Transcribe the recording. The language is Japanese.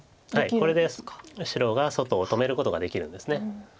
これで白が外を止めることができるんです。